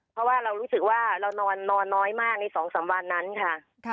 เพราะว่าเรารู้สึกว่าเรานอนน้อยมากใน๒๓วันนั้นค่ะ